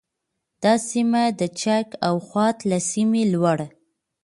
دا سیمه د چک او خوات له سیمې لوړه